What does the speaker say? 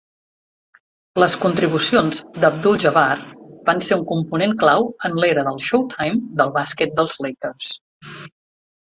Les contribucions d'Abdul-Jabbar van ser un component clau en l'era del "Showtime" del bàsquet dels Lakers.